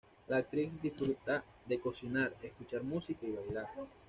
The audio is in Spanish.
La actriz disfruta de cocinar, escuchar música y bailar.